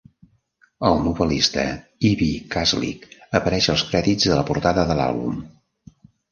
El novel·lista Ibi Kaslik apareix als crèdits de la portada de l"àlbum.